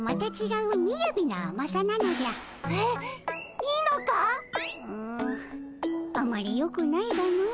うんあまりよくないがの。